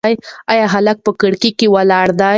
ایا هلک په کړکۍ کې ولاړ دی؟